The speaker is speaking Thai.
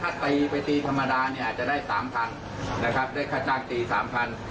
ถ้าตีไปตีธรรมดาเนี่ยอาจจะได้๓๐๐นะครับได้ค่าจ้างตีสามพัน